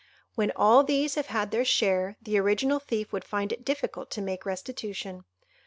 When all these have had their share, the original thief would find it difficult to make restitution.